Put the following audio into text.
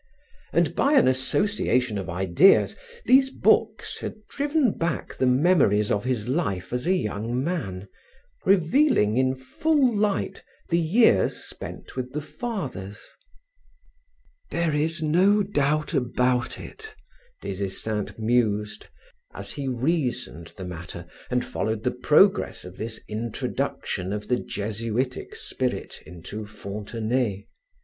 And by an association of ideas, these books had driven back the memories of his life as a young man, revealing in full light the years spent with the Fathers. "There is no doubt about it," Des Esseintes mused, as he reasoned the matter and followed the progress of this introduction of the Jesuitic spirit into Fontenay.